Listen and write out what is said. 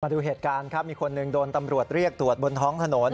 ดูเหตุการณ์ครับมีคนหนึ่งโดนตำรวจเรียกตรวจบนท้องถนน